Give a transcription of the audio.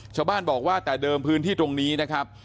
ชาวบ้านบอกว่าแต่เดิมพื้นที่ตรงนี้นะครับ